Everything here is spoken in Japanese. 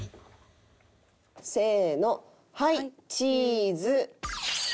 せーのはいチーズ！